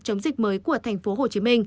chống dịch mới của tp hcm